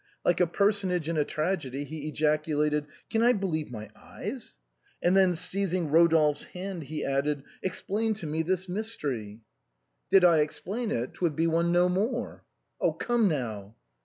Like a personage in a tragedy, he ejaculated :" Can I believe my eyes ?" and then seizing Eodolphe's hand, he added :" Explain me this mystery." " Did I explain it, 'twould be one no more." " Come, now